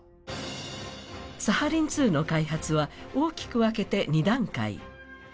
サハリン２の開発は大きく分けて２段階。